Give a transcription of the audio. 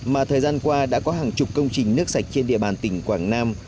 mà thời gian qua đã có hàng chục công trình nước sạch trên địa bàn tỉnh quảng nam